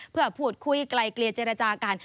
เพื่อพูดคุยไกลเกลียเจรจากัน